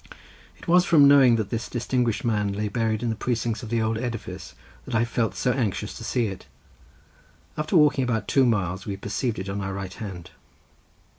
It was from knowing that this distinguished man lay buried in the precincts of the old edifice that I felt so anxious to see it. After walking about two miles we perceived it on our right hand.